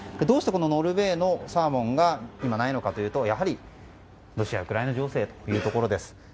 どうしてノルウェーのサーモンが今、ないのかというとロシア、ウクライナ情勢というところです。